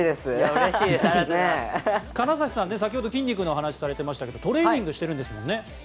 金指さん、先ほど筋肉の話をされてましたがトレーニングしているんですよね。